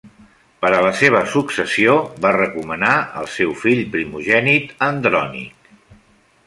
Per a la seva successió va recomanar el seu fill primogènit Andrònic.